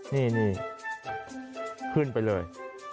นี่ขึ้นไปเลย